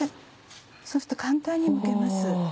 そうすると簡単にむけます。